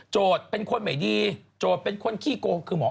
โจทย์เป็นคนเหม่ดีโจทย์เป็นคนขี้โกหก